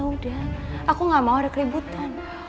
udah aku gak mau ada keributan